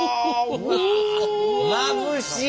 まぶしい！